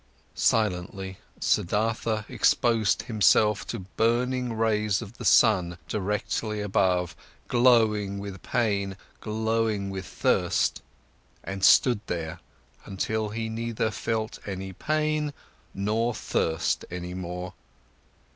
Silently, Siddhartha exposed himself to burning rays of the sun directly above, glowing with pain, glowing with thirst, and stood there, until he neither felt any pain nor thirst any more.